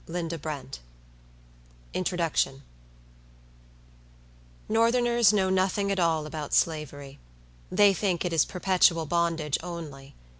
Linda Brent "Northerners know nothing at all about Slavery. They think it is perpetual bondage only.